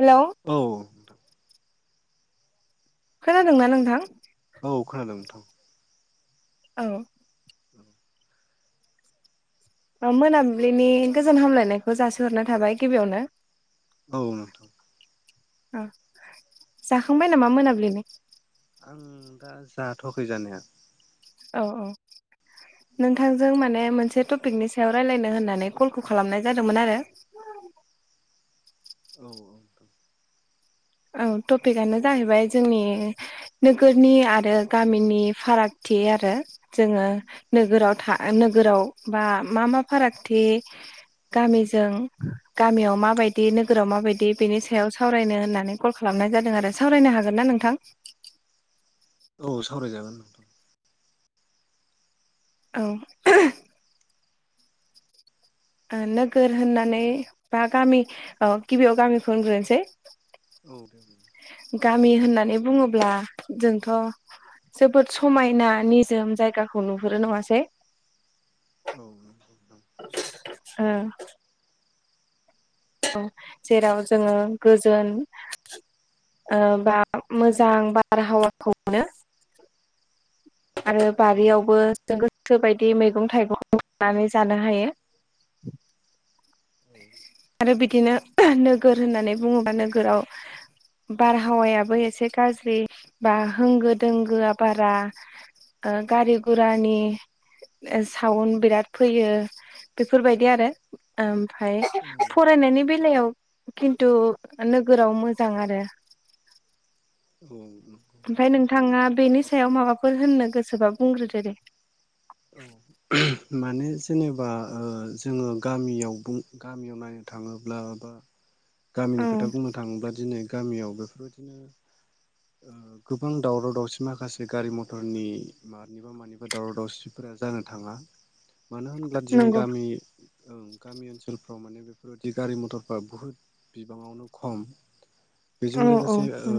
Hello औ खोनादोंना नोंथां? औ खोनादों नोंथां। औ औ ओ मोनाब्लिनि गोजोन हामलायनायखौ जासिहरना थाबाय गिबियावनो। औ नोंथां ओ जाखांबाय नामा मोनाब्लिनो? उम दा जाथ'आखै जानाया। औ औ नों थांजों माने मोनसे थ पिकनि सायाव रायलायनो होन्नानै कलखौ खालामनाय जादोंमोन आरो। औ औ थां ओं टपिकआनो जाहैबाय जोंनि नोगोरनि आरो गामिनि फारागथि आरो जोङो नोगोराव था नोगोराव बा मा मा फारागथि गामिजों गामियाव माबायदि नोगोराव माबायदि बेनि सायाव सावरायनो होननानै कल खालामनाय जादों आरो सावरायनो हागोन ना नोंथां? औ सावरायजागोन नोंथां औ ओ नोगोर होननानै बा गामि औ गिबियाव गामिखौ होनग्रोनोसै। औ दे बुं गामि होननानै बुङोब्ला जोंथ' जोबोद समायना निजोम जायगाखौ नुहुरो नङासै। औ नंगौ नोंथां ओ औ जेराव जोङो गोजोन ओ बा मोजां बारहावाखौ मोनो। आरो औ बारियावबो नोंथां जों गोसो बायदि मैगं थाइगं नानै जानो हायो। आरो बिदिनो नोगोर होननानै बुङोबा नोगोराव बारहावायाबो एसे गाज्रि बा होंगो दोंगोआ बारा ओ गारि गुरानि ओ साउन्ड बिराद फैयो बेफोरबायदि आरो ओम। फाय औ फरायनायनि बेलायाव खिन्थु नोगोराव मोजां आरो। ओं। ओमफ्राय नोंथाङा बेनि सायाव माबाफोर होननो गोसोबा बुंग्रोदो दे। औ माने जेनेबा ओ जोङो गामियाव बुं गामियाव नायनो थाङोब्ला बा औ गामिनि खोथा बुंनो थाङोब्ला दिनै। गामियाव बेफोरबायदिनो ओ गोबां दावराव दावसि माखासे गारि मथरनि मानिबा मानिबा दावराव दावसि फोरा जानो थाङा। मानो होनब्ला दिनै नंगौ गामि ओं गामि ओनसोलफ्राव माने बेफोरबादि गारि मथरफ्रा बुहुत बिबाङावनो खम। बेजों औ औ लोगोसे ओ उम उम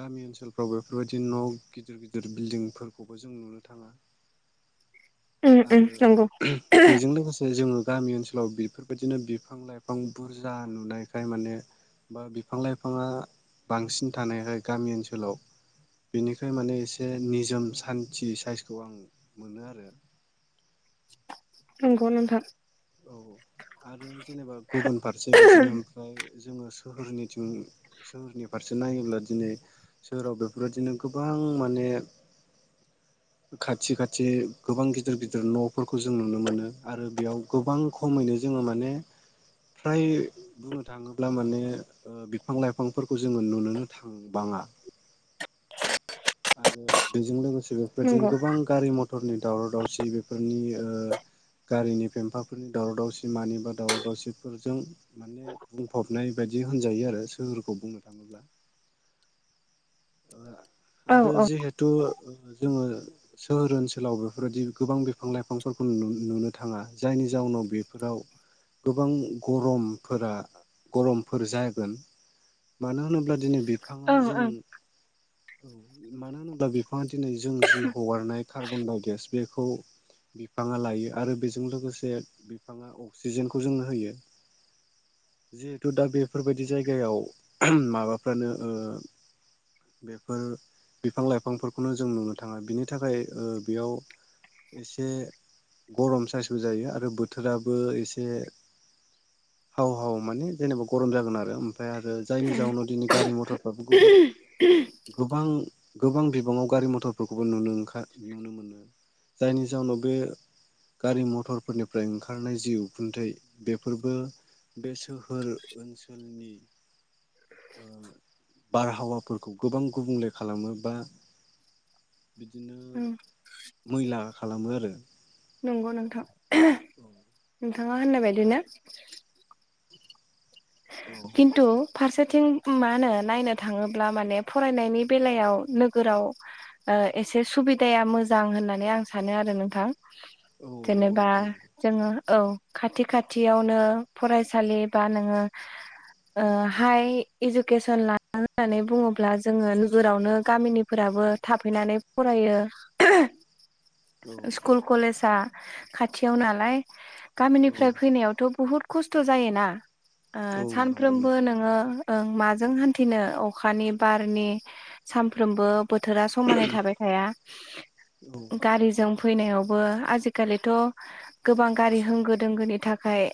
गामि ओनसोलफ्राव बेफोरबायदि न' गिदिर गिदिर बिल्डिंफोरखौबो जों नुनो थाङा। आरो नंगौ बेजों लोगोसे जोङो गामि ओनसोलाव बेफोरबायदिनो बिफां लाइफां बुरजा नुनायखाय माने बा बिफां लाइफाङा बांसिन थानायखाय गामि ओनसोलाव बिनिखाय माने एसे निजोम सान्थि साइसखौ आं मोनो आरो। नंगौ नोंथां। औ औ आरो जेनेबा गुबुन फारसे बिदिनो ओमफ्राय जोङो सोहोरनिथिं सोहोरनि फारसे नायोब्ला दिनै सोहोराव बेफोरबायदिनो गोबां माने खाथि खाथि गोबां गिदिर गिदिर न'फोरखौ जों नुनो मोनो आरो बेयाव गोबां खमैनो जोङो माने फ्राय बुंनो थाङोब्ला माने ओ बिफां लाइफांफोरखौ जोङो नुनोनो थांबाङा। [inaudible] आरो बेजों लोगोसे बेफोरबादिनो नंगौ गोबां गारि मथरनि दावराव दावसि बेफोरनि ओ गारिनि फेमफाफोरनि दावराव दावसि मानि बा दावराव दावसिफोरजों माने बुंफबनाय बायदि होनजायो आरो सोहोरखौ बुंनो थाङोब्ला। औ आरो औ जिहेतु जोङो सोहोर ओनसोलाव बेफोरबायदि गोबां बिफां लाइफांफोरखौ नु-नुनो थाङा जायनि जाउनाव बेफोराव गोबां गरमफोरा गरमफोर जागोन मानो होनोब्ला दिनै बि फाङा ओं जों ओं औ मानो होनोब्ला बि फाङा दिनै जों जि हगारनाय कार्बनडाइ गेस बेखौ बिफाङा लायो आरो बेजों लोगोसे बिफाङा अक्सिजेनखौ जोंनो होयो जिहेथु दा बेफोरबायदि जायगायाव माबाफ्रानो ओ बेफोर बिफां लाइफांफोरखौनो जों नुनो थाङा बिनि थाखाय ओ बेयाव एसे गरम साइसबो जायो आरो बोथोराबो एसे हाव हाव माने जेनेबा गरम जागोन आरो ओम फ्राय आरो जायनि जावनाव दिनै गारि मथरफ्राबो गुबुन गोबां गोबां बिबाङाव गारि मथर फोरखौबोनोओं नुनो ओंखा नुनो मोनो जायनि जााहनाव बे गारि मथरफोरनिफ्राय ओंखारनाय जि उखुन्दै बेफोरबो बे सोहोर ओनसोलनि ओ बारहावा फोरखौ गोबां गुबुंले खालामो बा बिदिनो उम मैला खालामो आरो। नंगौ नोंथां। नों थाङा होननाय बादिनो औ किन्तु फारसेथिं मा होनो नायनो थाङोब्ला माने फरायनायनि बेलायाव नोगोराव ओ एसे सुबिदाया मोजां होननानै आं सानो आरो नोंथां। औ नंगौ जेनेबा नोंथां जोङो औ खाथि खाथियावनो फरायसालि बा नोङो हाइ इडुकेसन ला [unintelligible] होननानै बुङोब्ला जोङो नोगोरावनो गामिनिफोराबो थाफैनानै फरायो औ स्कुल कलेज खाथियाव नालाय औ गामिनिफ्राय फैनायावथ' बुहुद खस्थ' जायोना ओ औ नंगौ सानफ्रोमबो नोंथां नोङो ओं माजों हान्थिनो अखानि बारनि सानफ्रोमबो बोथोरा समानै थाबाय थाया औ गारिजों फैनायावबो आजिखालिथ' गोबां गारि होंगो दोंगोनि थाखाय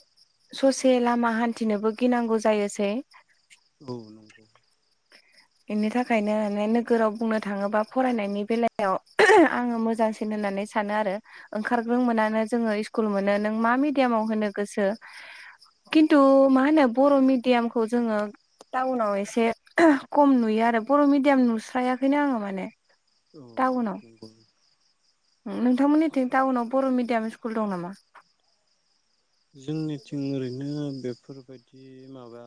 ससे लामा हान्थि बिदिनोबो गिनांगौ जायोसै औ नंगौ इनि थाखायनो माने नोगोराव बुंनो थाङोबा फरायनायनि बेलायाव आङो मोजांसिन होननानै सानो आरो ओंखारग्रों मोनानो जोङो स्कुल मोनो नों मा मिडियामाव होनो गोसो खिन्थु मा होनो बर' मिडियामखौ जोङो टाउनाव एसे खम नुयो आरो बर' मिडियाम नुस्रायाखैनो आङो माने औ टाउनाव नंगौ नोंथांमोननिथिं टाउनाव बर' मिडियाम स्कुल दं नामा जोंनिथिं ओरैनो बेफोरबायदि माबा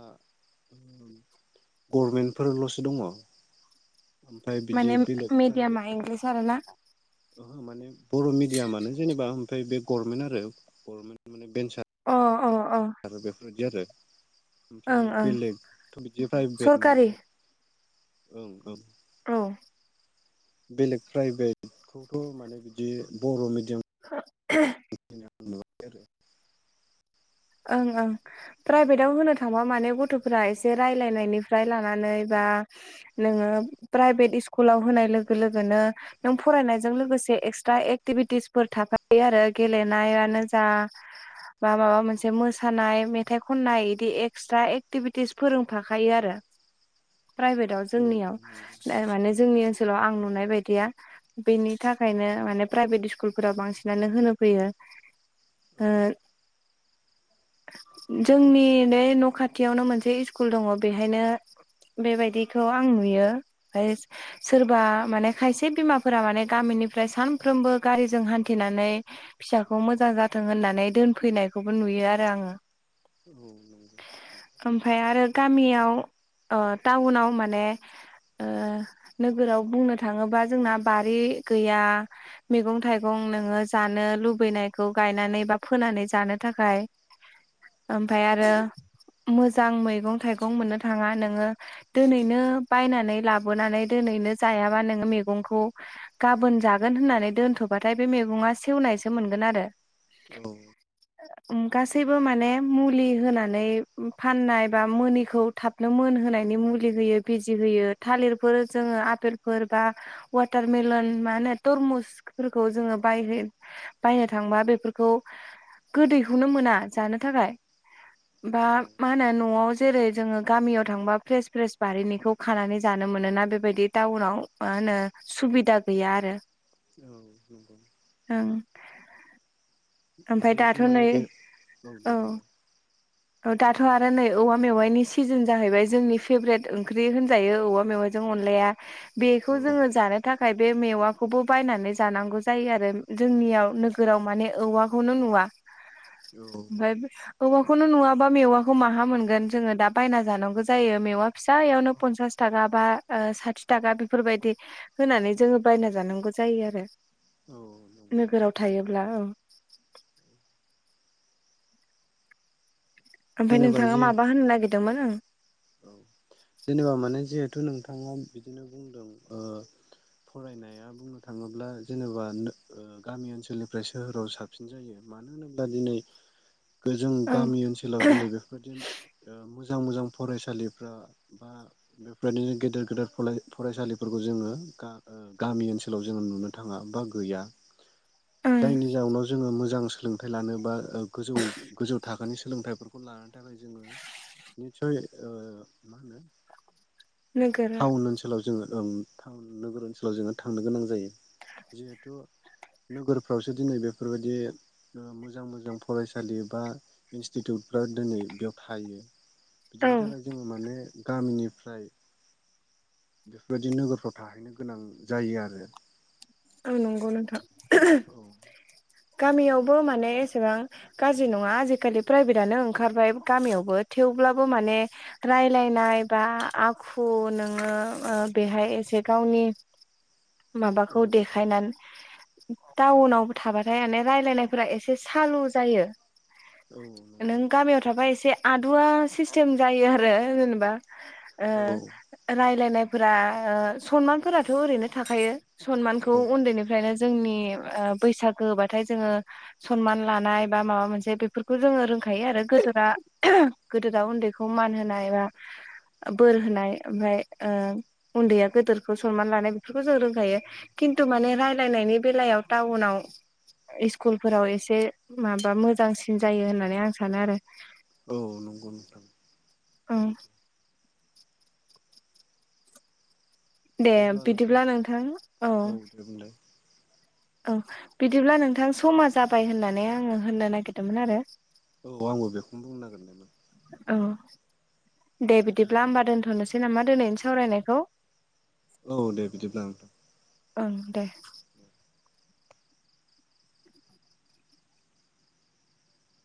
गभमेन्टफोरल'सो दङ ओमफ्राय बिदि माने बेलेग मिडियामा इंलिस आर ना ओ माने बर' मिडियामानो जेनेबा ओमफ्राय बे गभरमेन्ट आरो गभरमेन्ट अ अ अ बेन्सार आरो बेफोर आरो ओं ओमफ्राय ओं बेलेगथ' बिदि प्राइभेट माने सरकारि ओं औ औ बेलेग प्राइभेट खौथ' माने बिदि बर' मिडि [unintelligible] बिनो [unintelligible] ओं ओं प्राइभेटाव होनो थांबा माने गथ'फोरा एसे रायलायनायनिफ्राय लानानै बा नोङो प्राइभेट स्कुलाव होनाय लोगो लोगोनो नों फरायनायजों लोगोसे एक्सट्रा एक्टिभिटिसफोर थाखाफायो आरो गेलेनायानो जा बा माबा मोनसे से मोसानाय मेथाइ खननाय बिदि एक्सट्रा एक्टिभिटिस फोरोंफाखायो आरो प्राइभेटआव औ जोंनियाव नंगौ माने जोंनि ओनसोलाव आं औ नुनाय बायदिया बेनि थाखायनो माने प्राइभेट स्कुलफोराव बांसिनानो होनो फैयो औ जोंनि बे न' खाथियावनो मोनसे स्कुल दङ बेहायनो बेबायदिखौ आं नुयो ओफ्राय सोरबा माने खायसे बिमाफोरा माने गामिनिफ्राय सानफ्रोमबो गारिजों हान्थिनानै फिसाखौ मोजां जाथों होननानै दोनफैनायखौ बो नुयो आरो आङो औ नोंगौ। ओमफाय आरो गामियाव ओ टाउनाव माने ओ नोगोराव बुंनो थाङोबा जोंना बारि गैया मैगं थाइगं नोङो जानो लुबैनायखौ गायनानै बा फोनानै जानो थाखाय ओमफाय आरो मोजां मैगं थाइगं मोननो थाङा नोङो दोनैनो बायनानै लाबोनानै दोनैनो जायाबा नोङो मैगंखौ गाबोन जागोन होननानै दोनथ'बाथाय बे मैगङा सेवनायसो मोनगोन आरो औ। उम गासैबो माने मुलि होनानै फाननाय बा मोनिखौ थाबनो मोनहोनायनि मुलि होयो बिजि होयो थालिरफोर जोङो आपेलफोर बा वाटारमेलन मा होनो तरमुसफोरखौ जोङो बायहै बायनो थांबा बेफोरखौ गोदैखौनो मोना जानो थाखाय। बा औ मा होनो न'आव जेरै जोङो गामियाव थांबा फ्रेस फ्रेस बारिनिखौ खानानै जानो मोनो ना बेबायदि टाउनाव मा होनो सुबिदा गैया आरो औ नंगौ। ओं ओमफ्राय जिहेथु दाथ' माने नै बे ओ दे बुंलाय। ओ दाथ' आरो नै औवा मेवाइनि सिजोन जाहैबाय जोंनि फेभ्रेट ओंख्रि होनजायो औवा मेवाइजों अनलाया। बेखौ औ जोङो जानो थाखाय बे मेवाखौबो बायनानै जानांगौ जायो आरो जोंनियाव नोगोराव माने औवा खौनो नुवा। औ ओमफाय औवाखौनो नुवाबा मेवाखौ माहा मोनगोन जोङो दा बायना जानांगौ जायो मेवा फिसायावनो पनसास थाखा बा ओ साथि थाखा बेफोरबायदि होनानै जोङो बायना जानांगौ जायो आरो औ नंगौ नोगोराव थायोब्ला औ। ओमफाय जेनेबा नोंथाङा जे माबा होननो नागिरदोंमोन ओं। औ जेनेबा माने जे हेतु नोंथाङा बिदिनो बुंदों ओ फरायनाया बुंनो थाङोब्ला जेनेबा नो ओ गामि ओनसोलनिफ्राय सोहोराव साबसिन जायो मानो होनोब्ला दिनै जों औ गामि ओनसोलाव दिनै बेफोरबायदि ओ मो जां मोजां फरायसालिफ्रा बा बेफोरबायदिनो गेदेर गेदेर फराय फरायसालिफोरखौ जोङो गा ओ गामि ओनसोलाव जोङो नुनो थाङा बा गैया। ओं जायनि जाउनाव जोङो मोजां सो लोंथाइ लानो बा ओ गोजौ गोजौ थाखोनि सोलोंथाइफोरखौ लानो थाखाय जोङो सय ओ मा होनो नोगोर टाउन ओनसोलाव जोङो ओं। टाउन नोगोर ओनसोलाव जोङो थांनो गोनां जायो। जिहेथु नोगोरफ्रावसो दिनै बेफोरबायदि ओ मोजां मोजां फरायसालि बा इनस्टिटिउटफ्रा दिनै बेयाव थायो। औ बिदिनि थाखाय जोङो माने गामिनिफ्राय बेफोरबायदि नोगोरफ्राव थाहैनो गोनां जायो आरो औ नंगौ नोंथां। औ। गामियावबो माने एसेबां गाज्रि नङा आजिखालि प्राइभेटआनो ओंखारबाय गामियावबो थेवब्लाबो माने रायलायनाय बा आखु नोङो ओ बेहाय एसे गावनि औ माबाखौ देखायनान टाउनावबो थाबा [unintelligible] रायलायनाय फोरा एसे सालु जायो। औ नंगौ नों नोंथां गामियाव थाबा एसे आदुवा सिस्टेम जायो आरो जेनेबा। ओ औ रायलायनाय फोरा ओ सनमानफोराथ' ओरैनो थाखायो सनमानखौ औ उन्दैनिफ्रायनो जोंनि ओ बैसाग होबाथाय जोङो सनमान लानाय बा माबा मोनसे बेफोरखौ जोङो रोंखायो आरो गोदोरा-गोदोरा उन्दैखौ मान होनाय बा बोर होनाय ओमफ्राय ओ उन्दैया गोदोरखौ सनमान लानाय बेफोरखौ जों रोंखायो। खिन्थु माने रायलायनायनि बेलायाव टाउनाव इस्कुलफोराव एसे माबा मोजांसिन जायो होननानै आं सानो आरो। औ, नंगौ नोंथां। ओं सैथो दे बिदिब्ला नोंथां औ दे बुंलाय औ बिदिब्ला नोंथां समा जाबाय होननानै आङो होननो नागिरदोंमोन आरो। औ आंबो बेखौनो बुंनो नागिर दोंमोन। औ दे बिदिब्ला होमबा दोनथ'नो सै नामा दिनैनि सावरायनायखौ? औ दे बिदिब्ला, ओं ओं, दे।